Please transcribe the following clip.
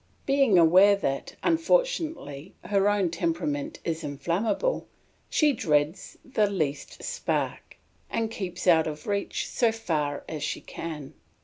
Being aware that, unfortunately, her own temperament is inflammable, she dreads the least spark, and keeps out of reach so far as she can.